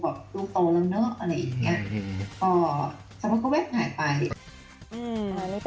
แบบลูกโตแล้วเนอะอะไรอย่างนี้